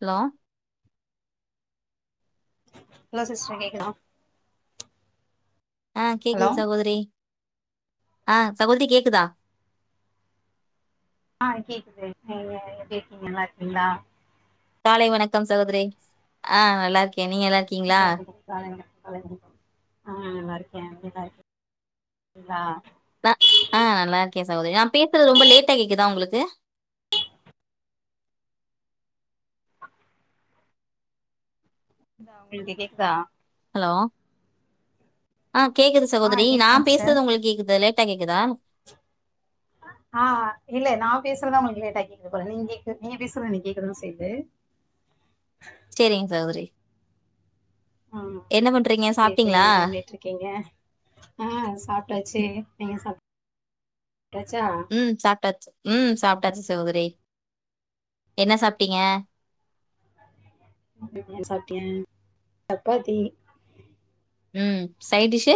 Hello hello sister கேக்குதா ஆஹ் hello கேக்குது சகோதரி ஆஹ் சகோதரி கேக்குதா ஆஹ் கேக்குது நீங்க எப்டி இருக்கீங்க நல்லா இருக்கீங்களா காலை வணக்கம் சகோதரி ஆஹ் நல்லாருக் கே நீங்க எல்லாருக்கீங்களா [unintelligible] ஆஹ் நல்லா இருக்கேன் நீங்க நல்லார்கீங்களா ஆஹ் நல்லா இருக்கேன் சகோதரி நான் பேசுறது ரொம்ப லேட்டா கேக்குதா உங்களுக்கு உங்களுக்கு கேக்குதா ஹலோ ஆஹ் கேக்குது ஆ சகோதரி நான் கேக்குதுங்க சிஸ்டர் பேசுறது உங்களுக்கு கேக்குதுல்ல ட்டா கேக்குதா ஆஹ் இல்ல நான் பேசுறதுதான் உங்களுக்கு லேட்டா கேக்குது போல நீங்க கேக்கு நீங்க பேசுறது எனக்கு கேக்கதான் செய்து சேரிங்க சகோதரி ஆஹ் என்ன பண்றீங்க எப்டி இருக்கீங்க சாப்ட்டீங்களா என்ன பண்ணிட்டு இருக்கீங்க ஆஹ் சாப்ட்டாச்சு நீங்க சாப் உம் சாப்டாச்சு உம் சாப்ட்டாச்சு சகோதரி என்ன சாப்ட்டீங்க [unintelligible] சப்பாத்தி உம் சைடிஷு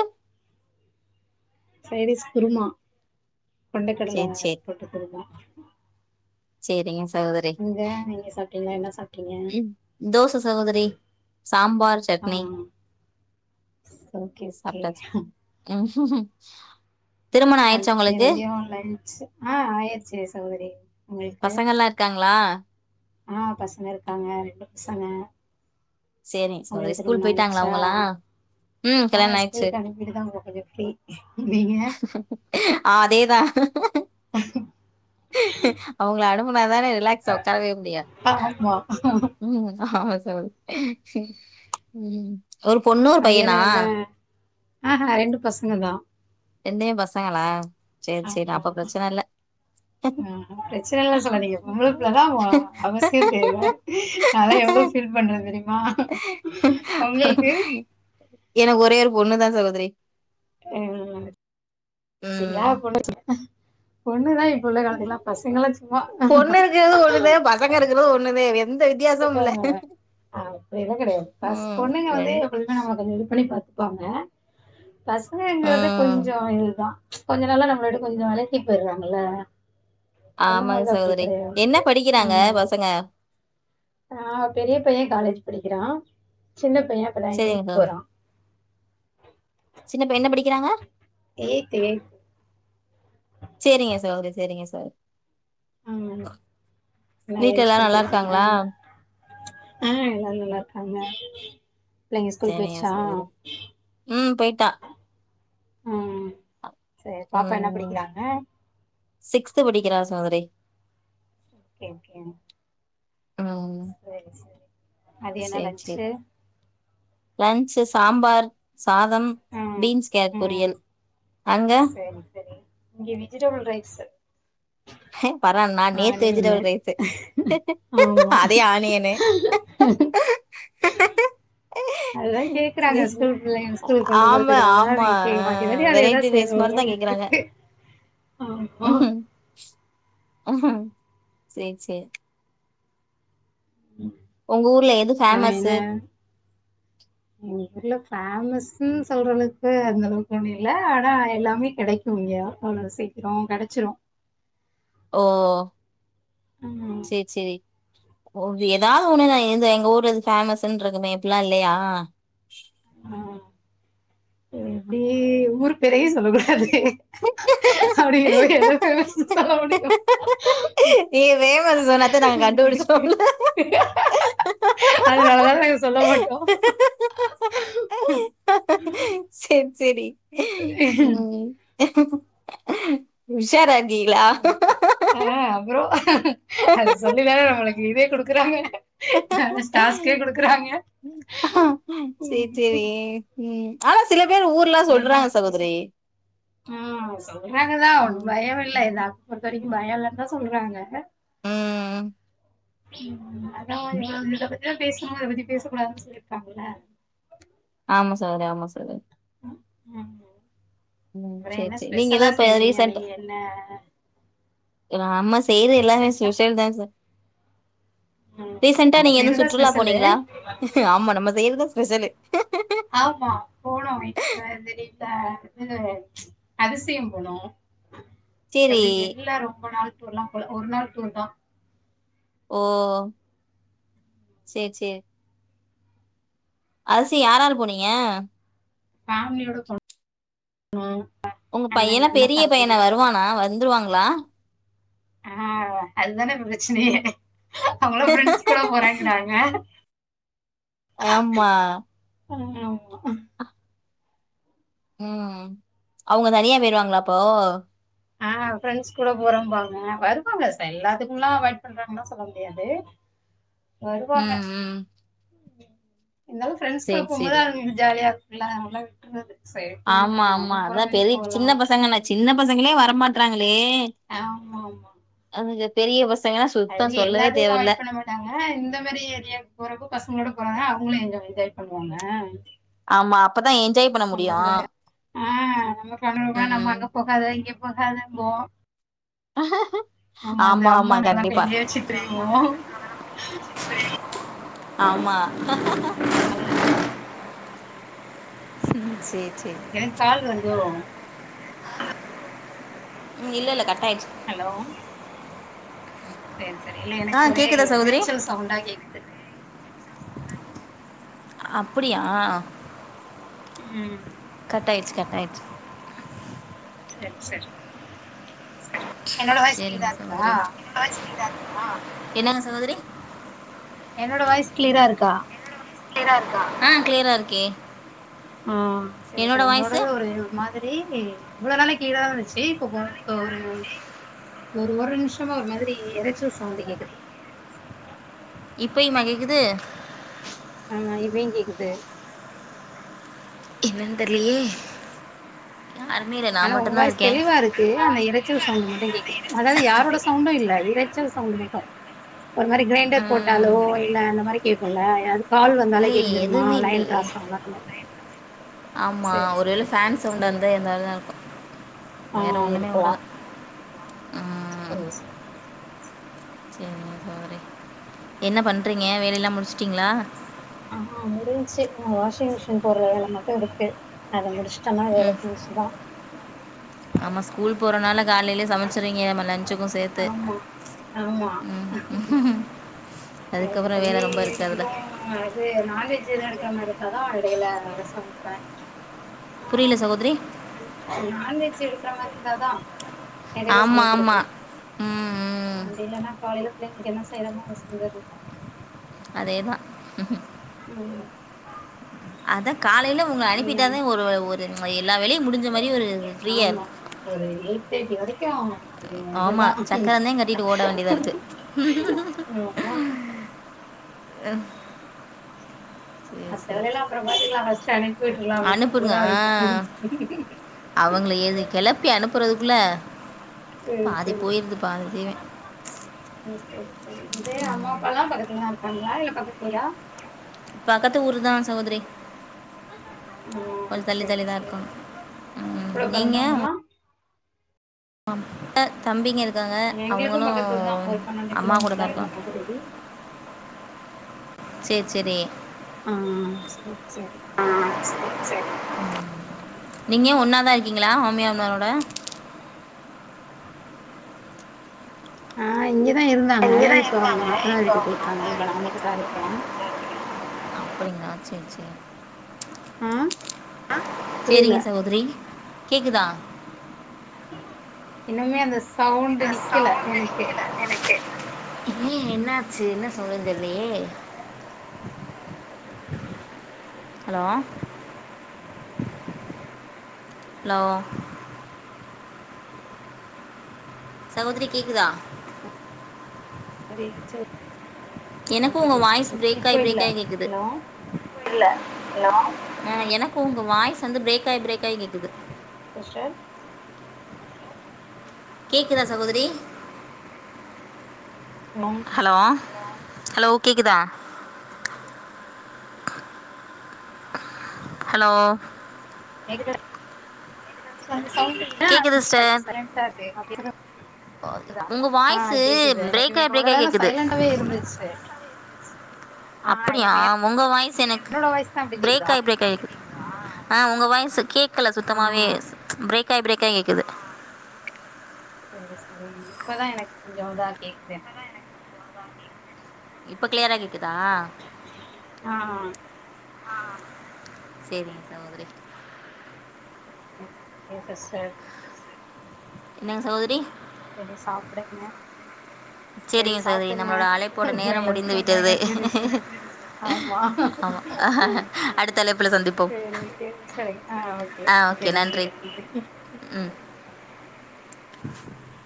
சைடிஸ் குருமா கொண்டக்கடல சேரி போட்டு குருமா செரிங்க சகோதரி நீங்க நீங்க சாப்ட்டீங்களா என்ன சாப்ட்டீங்க உம் தோச சகோதரி சாம்பார் ஆ சட்னி ஓகே ஓகே சாப்ட்டாச்சு உம் ம் திருமண ஆயிடுச்சா உங்களுக்கு [unintelligible] ஆஹ் ஆயிர்ச்சு சகோதரி பசங்கல்லா இருக்காங் ளா ஆஹ் பசங்க இருக்காங்க ரெண்டு பசங்க செரி சாரி உங்களுக்கு ஸ்கூல் திருமணம் போயிட்டாங்களா ஆயிடுச்சா அவங்கல்லா உம் ஆ கல்யாண ஆய்ட்ச்சு ஸ்கூலுக்கு அனுப்பிட்டு தான் இப்போ கொஞ்சம் ஃப்ரீ நீங்க அதேதா அவங்கள அனு ப்னா தானே ரிலாக்ஸா உட்காரவே முடியு ஆமா உம் ஆமா சகோத்ரி உம் ஒரு பொண்ணு ஒரு பையனா ஆஹே ரெண்டு பசங்க தா ரெண்டையு பசங்களா சேரி சேரி அப்ப பிரச்சன இல்ல ம் ஹும் பிரச்சன இல்லன் சொல்லாதிங்க பொம்பள புள்ள தா வ அவசியோ தேவ நா எல்லா எவ்ளோவு பீல் பண்றே தெரியுமா உங்களுக்கு எனக்கு ஒரே ஒரு பொண்ணுதா சகோதரி உம் [inaudible] ம் பொண்ணுதா இப்புள்ள காலத்துல எல்லா பசங்கல்லா சும்மா [inaudible] பொண்ணு இருக்கிறது ஒண்ணுதே பசங்க இருக்கிறது ஒண்ணுதே எந்த வித்தியாசமு இல்ல அப்டிலா கிடையாது பஸ் ம் பொண்ணுங்க வந்து ரெண் எப்பலுமே [unintelligible] கொஞ்சோ இது பண்ணி பாத் துப்பாங்க பசங்கங்கறது ம் கொஞ்சோ இதுதா கொஞ்ச நாளா நம்மள விட்டு கொஞ்சோ வெளக்கி போயிறாங்கல்ல ஆமாங்க சகோதரி என்ன படிக்கிறாங்க பசங்க ஆஹ் பெரிய பைய காலேஜ் படிக்கிறா சின்ன பைய இப்ப தா சரிங்க எயித் போறா சின்னப்பைய என்ன படிக்கிறாங்க எய்த் எய்த். செரிங்க சகோதரி செரிங்கஸ் [unintelligible] ஆஹ் [unintelligible] வீட்ல எல்லாரும் நல்லா இருக்காங்களா? ஆஹ் எல்லாம் நல்லா இருக்காங்க பிள்ளைங்க ஸ்கூல் போயிருச்சா? [unintelligible] செய்யர உம் போயிட்டா ம். சரி பாப்பா என்ன உம் படிக்கிறாங்க? சிக்ஸ்த் படிக்கிறா சகோதரி ஓகே ஓகே ம். சரி சரி மதியம் என்ன லன்ச் லன்ச்சு சாம்பார் சாதம் ம் பீன்ஸ் கேரட் ம் பொரியல் அங்க? சரி சரி இங்க வெஜிடபிள் ரைஸ் பாரா நான் நேத்து ஆனியனு வெஜிடபிள் ரைஸ்சு ஆமா அதே ஆனியன்னு அதுதான் கேக்குறாங்க ஸ்கூல் பிள்ளைங்க ஸ்கூல் கொண்டு ஆமா, போறதுக்காக அதான் ஆமா. அ மாத்தி மாத்தி அதே தான் வெரைட்டி ரைஸ் மாரி தான் செய்யணு கேக்குறாங்க. ஆஹ் ஆஹ சரி சரி உங்க ஊர்ல எது அப்றோ என்ன ஃபேமஸ்உ எங்க ஊர்ல ஃபேமஸ்ன்னு சொல்றளவுக்கு அந்தளவுக்கு ஒண்ணும் இல்ல ஆனா எல்லாமே கிடைக்கும் இங்க அவ்வளவு சீக்கிரோம் கிடைச்சிரும் ஓ ம் சரி சரி ஏதாவது ஒண்ணு நான் இந்த எங்க ஊர்லது பேஃமஸ்னு இருக்குமே அப்படில்லா இல்லையா எப்படி ஊர் பேரயே சொல்ல கூடாது அப்படி இது எதுமே சொல்ல [unintelligible] புடிக்கும் நீ வே வந்து சொன்னத்த நாங்க கண்டுபிடிச்சோ அதனாலதான் நாங்க சொல்ல மாட்டோம் சரி சரி உம் உஷாரா இருக்கீங்களா? ஆஹ் அப்புறம் அது சொல்லி தான நம்மள உயிரே குடுக்குறாங்க ஸ்டார்ஷ் கே கொடுக்குறாங்க செரி செரி ம் ஆனா சிலர் உஹம் சொல்றாங்கதான் ம் பயம் இல்லை இந்த ம். அக்காபொறுத்த வரைக்கும் பயம் இல்ல என்ன சொல்றாங்க உஹம் உஹம் [unintelligible] இதோ பேசுணு அத பத்தி பேச கூடாது சொல்லிர்ப்பாங்கள்ல ஆம சோதரி ஆமா சோரே ம் ம் அப்புற சேர் என்ன சே நீங்க ஸ்பெஷலா எதுவு இப்ப செய்வீங்க ரீசன்ட்டா நீங்க என்ன இவ அம்மா செய்ற எல்லாமே ரீசெண்டா ஸ்பெஷல் தா ச ம் ரீசன்ட்டா நம்ம நீங்க எது செய்றதா சுற்றுலா ஸ்பெஷலு போனீங்ளா ஆமா நம்ம செய்யற்தா ஸ்பெஷலு ஆ பா போனோ இப்ப திடீட்ட இது அதிசயம் போனோ சேரி த்தப்புடி வெளியில ரொம்ப நாள் டூர்லா போல ஒரு நாள் டூர் தா ஓ சேர் சே அதுசி யாராரு போனீங்க ஃபேம்லியோட போனோ உங்க பையலா பெரிய பையனா வருவானா வந்ருவாங்ளா ஆ அதுதான இப்ப ப்ரச்சுனுயே அவுங்களா ஃபிரெண்ட்ஸ் கூட போறேங்குறாங்க ஆமா அ ஆமா ம் அவுங்க தனியா பேயிருவாங்ளா அப்போ அ ஃப்ரெண்ட்ஸ் கூட போறோம்பாங்க வருவாங்க ச எல்லாத்துக்குலா அவாயிட் பண்றாங்கன்னா சொல்ல முடியாது வருவாங்க ம் ம் இந்தாலு ஃப்ரண்ட்ஸ் கூட சேரி போம்போது சேரி அவுங்களுக்கு ஜாலியாருக் இல்ல அதெல்லா விட்டுவாறு ஆமா ஆமா அதா பெரி சின்ன பசங்க அப்படின்னு என்ன சொல்லிட்டு சின்ன பசங்களே வரமாட் லே ஆமா ஆமா அவுக பெரிய பஸ் அது எல்லாத்துக்கு அவாய்ட் பண்ண மாட்டாங்க இந்த மேரி எதியாக் போறப்ப பசுங்ளோட போறாங்க அவுங்ளு என்ஜவ் என்ஜாய் பண்ணுவாங்க ஆமா அப்பதா என்ஜாய் பண்ண முடியு நம்ம கூட ஆ ம் ம் போகாதெம்போ ஆமா அது அம்மான் எல்லா கைலே வச்சுட்க்ட்டு ஓம் ஆமா அது ம் சே எனக்கு கால் வருதோ ம் இல்ல இல்ல கட்டாய்ட் ஹலோ செரி செரி இல்ல எனக்கு ஆ ஒரே கேக்குதா இரைச்சல் சவுண்டா கேக்குது அப்டியா ம் கட்டாய்ருச்சி கட்டாய்ருச்சி செரி செரி என்னோட வாய்ஸ் சேரிங்க கிளியரா இருக்கா சகோதரி என்னங்க சகோதரி என்னோட வாய்ஸ் கிளியரா இருக்கா ஆ கிளியரா இருக்கே ஆ செரி செரி என்னோட வாய்ஸு உங்களோடதுல ஒரு மாதிரி இவ்ளோ நாளா கிளியராதா இருந்துச்சி இப்ப இப்ப ஒரு ஒரு ஒரு நிமிஷமா ஒரு மாதிரி இரைச்சல் சவுண்ட் கேக்குது இப்பயுமா கேக்குது ஆ இப்பயு கேக்குது என்னன்னு தெரிலேயே ஆனா உங்க வாய்ஸ் தெளிவா இருக்கு அந்த இரைச்சல் சவுண்ட் மட்டு கேக்குது அதாது யாரோட சவுண்டும் இல்ல இரைச்சல் சவுண்ட் மட்டு ஒரு மாரி கிரைண்டர் போட்டாலோ ம் இல்ல அந்த மாரி கேட்குல்ல கால் வந்தாலே இல்லையே கேட்கு தெரியுமா? எதுவுமே லைன் கிராஸ் ஆனா அந்த மாதரி ஆமா ஒருவேள ஃபேன் சவுண்டா இருந்தா எதாவதா இருக்கு ஆ இருக்கலா சேரி சேரி சேரிங்க சகோதரி, என்ன பண்றீங்க வேலைல்லா முடிச்சிடீங்களா ஆ முடிஞ்ச்சி இன்னு வாஷிங் மிஷின் போட்ற வேல மட்டு இருக்கு அத முடிச்சு ட்டனா வேல முடிஞ்ச்சு தா ஆமா ஸ்கூல் போறனால காலைலே சமைச் ச்சிறீங்க நம்ம லஞ்சுக்கு சேத்து ஆமா ஆமா ம் அ அதுக்கப்புறம் மத்தப்படி வேலை ரொம்ப இருக்குது எதுவு அதில் அது நான்வெஜ் எது எடுக்ற மாரி இருந்தா தா எடைல சமைப்ப புரில்ல சகோதிரி நான்வெஜ் எடுக்கிற மாரி இருந்தாதா ஆமா ஆமா உம் உம் புள்ளங்களுக்கு என்ன செய்யனுமோ அத செஞ்சறது அதேதா உம் உம் அதா காலையில உங்களை அனுப்பிட்டாதா ஒரு ஒரு எல்லா வேலையு முடிஞ்ச மாரி ஒரு ஃபிரீயா ஆமா இருக்கு ஒரு எயிட் [unintelligible] ஆமா இதுதான் சக்கரந்தே கட்டிட்டு ஓட வேண்டியதா இருக்கு ஆமா ஹம் மத்த வேலைலா அப்புற பாத்துக்கலா ஃபஸ்ட் அனிப்பிவிட்ரலா அப்டிங்கற அனுப்புங்க மாரிதா ஆ இருக்கு போறதுக்குள்ள செரி செரி செரி செரி இதே அம்மா அப்பாலா பக்க இங்க தா இருக்காங்களா இல்ல பக்கத்து ஊரா பக்கத்து ஊர் தா சகோதரி கொஞ்ச ம் தள்ளி சரி தள்ளிதா சரி இருக்கோ உம் கூட நீங்க பிறந்தவங்கல்லா ஆம் அஹ தம்பிங்க இருக்காங்க எங்களுக்கு அவங்களு பக்கத்து ஊர் தா ஒரு பன்னெண்டு அம்மா கூட தா கிலோமீட்டர் இருக்க அந்த மாதிரி சரி சரி ஆஹ் செரி சரி சரி நீங்க ஒன்னாதா இ க்கீங்களா மாம்மியா மாமனா ரோட ஆஹ் இங்க தா இருந்தாங்க இங்கதான் இப்ப அவங்க இருந்தாங்க நாத்தனார் இப்ப வீட்டுக்கு அவங்க மாமா போயிருக்காங்க இப்ப நா வீட்டுக்கு மட்டுந்தா போயிருக்காங்க இருக்கே மாமா வீட்டுக்கு ஆ ஆஹ் புரியல செரிங்க சகோதரி கேக்குதா இன்னுமே அந்த சவுண்ட் இந்த நிக்கல எனக்கு ஏ என்ன ஆச்சு என்ன சொல்றது தெரியலையே ஹலோ ஹலோ சகோதரி கேக்குதா அரிச்சோ எனக்கு உங்க வாய்ஸ் பிரேக் ஆகி பிரேக் இல்ல ஆகி கேக்குது ஹலோ ஆஹ் எனக்கு உங்க வாய்ஸ் வந்து பிரேக் ஆகி பிரேக் ஆகி கேக்குது ஷ்டான் கேக்குதா சகோதரி ஹலோ ஹலோ கேக்குதா ஹலோ [unintelligible] கேட்குது சிஸ்டர் உங்க ஆ வாய்ஸு கேட்குது பிரேக் எனக்குமே ஆகி இப்ப பிரேக் இவ்ளோ ஆகி நேரோ கேட்குது சைலண்டாவே இருந்ச்சு. அப்பிடியா உங்க வாய்ஸ் எனக்கு என்னோட வாய்ஸ் தா அப்டி கேக்குதா பிரேக்காய் பிரேக்காய் கேக்குது. அ உங்க வாய்ஸு கேக் கேக்கல ஆ சுத்தமாவே ப்ச் பிரேக். பிரேக்காய் பிரேக்காய் கேக்குது. சரி சரி இப்பதா எனக் கொஞ்சோ இதா கேக்குது எனக். இப்ப கிளையரா கேக். க்குதா. ஆ ஆ சேரிங் சகோதரி [unintelligible] என்னங்க சகோதரி. செரி சாப்டுங்க செரி சரிங்க சகோதரி சாப்பிடுங்க நம்மளோட அழைப்போட நேரம் பிள்ளைங்கள முடிந்து ஸ்கூல்க்கு விட்டது அனுப்பி ரெஸ்ட் ஆமா ஆமாம் அடுத்த அழைப்பில் சந்திப்போம் சரிங்க செரி [inaudible] ஆஹ் ஓகே மிக்க நன்றி தோழி நன்றி ம் ம் [inaudible]